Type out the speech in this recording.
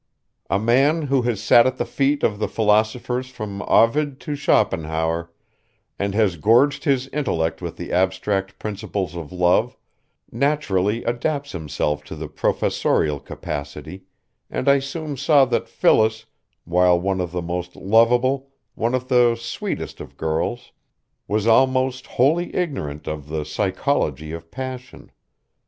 A man who has sat at the feet of the philosophers from Ovid to Schopenhauer, and has gorged his intellect with the abstract principles of love, naturally adapts himself to the professorial capacity, and I soon saw that Phyllis, while one of the most lovable, one of the sweetest of girls, was almost wholly ignorant of the psychology of passion.